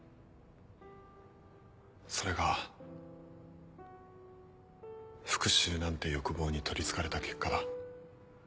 それが復讐なんて欲望に取りつかれた結果だ。